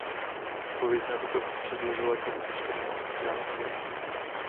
V odpověď na to předložila Komise skromnou sociální agendu.